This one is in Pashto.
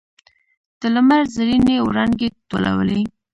د لمر زرینې وړانګې ټولولې.